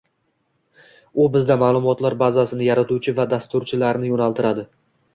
U bizda maʼlumotlar bazasi yaratuvchi va dasturchilarni yoʻnaltiradi.